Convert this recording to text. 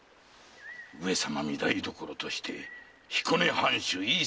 上様御台所として彦根藩主井伊様ご息女・鶴姫様が！